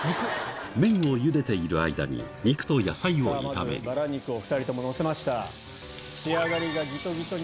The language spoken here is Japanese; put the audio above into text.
麺をゆでている間に肉と野菜を炒めるバラ肉を２人とものせました。